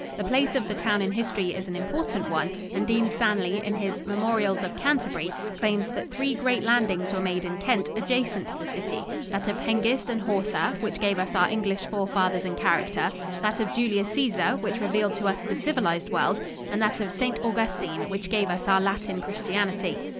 The place of the town in history is an important one, and Dean Stanley in his "Memorials of Canterbury," claims that three great landings were made in Kent adjacent to the city, "that of Hengist and Horsa, which gave us our English forefathers and character; that of Julius Caesar, which revealed to us the civilized world, and that of St. Augustine, which gave us our Latin Christianity."